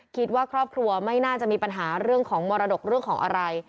คิดว่าครอบครัวไม่น่าจะมีปัญหาเรื่องของมรดกเรื่องของอะไร